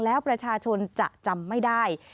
แล้วประชาชนจะจำไม่ได้